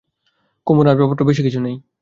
কুমুর আসবাবপত্র বেশি কিছু নেই।